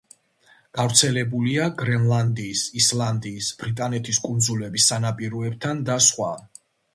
გავრცელებულია გრენლანდიის, ისლანდიის, ბრიტანეთის კუნძულების სანაპიროებთან და სხვა.